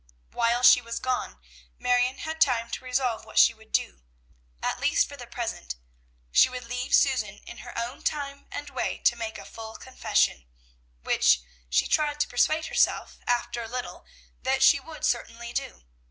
While she was gone, Marion had time to resolve what she would do, at least for the present; she would leave Susan in her own time and way to make a full confession, which she tried to persuade herself after a little that she would certainly do.